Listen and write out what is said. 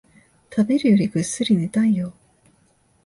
食べるよりぐっすり寝たいよ